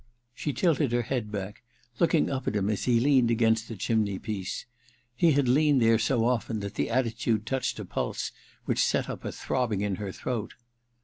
She tilted her head back, looking up at him as he leaned against the chimney piece. He had leaned there so often that the attitude touched a pulse which set up a throbbing in her throat.